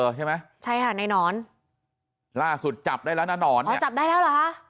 ใช่ไหมใช่ค่ะในหนอนล่าสุดจับได้แล้วนะหนอนอ๋อจับได้แล้วเหรอคะ